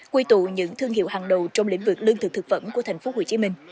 quy tụ những thương hiệu hàng đầu trong lĩnh vực lương thực thực phẩm của thành phố hồ chí minh